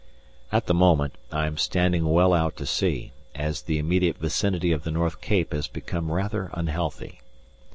At the moment I am standing well out to sea, as the immediate vicinity of the North Cape has become rather unhealthy.